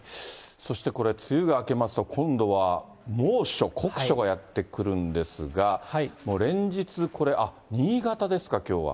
そしてこれ、梅雨が明けますと今度は猛暑、酷暑がやって来るんですが、もう連日これ、新潟ですか、きょうは。